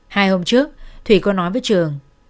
hai hôm trước thùy có nói với trường